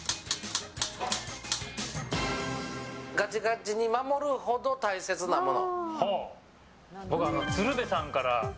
ガチガチに守るほど大切なもの。